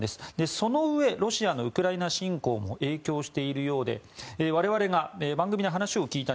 そのうえロシアのウクライナ侵攻も影響しているようで我々が番組で話を聞いた